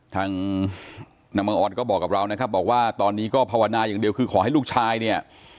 นางบังออนก็บอกกับเรานะครับบอกว่าตอนนี้ก็ภาวนาอย่างเดียวคือขอให้ลูกชายเนี่ย